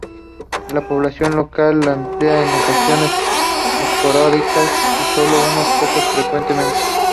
La población local lo emplea en ocasiones esporádicas y solo unos pocos más frecuentemente.